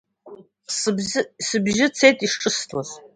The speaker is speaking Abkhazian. Сыбжьы цеит ишҿысҭуаз…